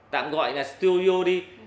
tạm gọi là studio đi